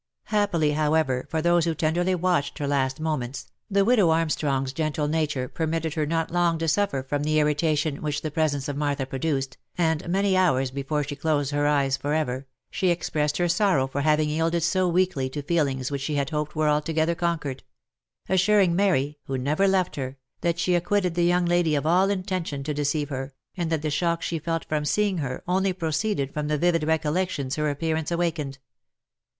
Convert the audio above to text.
Happily, however, for those who tenderly watched her last moments, the widow Armstrong's gentle nature permitted her not long to suffer from the irritation which the presence of Martha produced, and many hours before she closed her eyes for ever, she expressed her sorrow for having yielded so weakly to feelings which she had hoped were alto gether conquered ; assuring Mary (who never left her) that she ac quitted the young lady of all intention to deceive her, and that the shock she felt from seeing her, only proceeded from the vivid recol lections her appearance awakened.